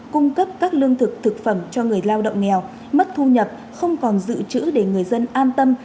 cung cấp các lương thực thực phẩm cho người lao động nghèo mất thu nhập không còn dự trữ để người dân an tâm